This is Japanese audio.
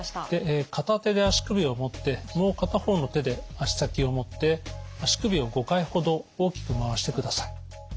で片手で足首を持ってもう片方の手で足先を持って足首を５回ほど大きく回してください。